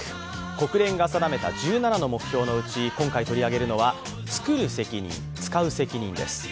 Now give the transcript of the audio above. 国連が定めた１７の目標のうち今回取り上げるのは「つくる責任つかう責任」です。